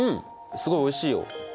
すごいおいしいよ。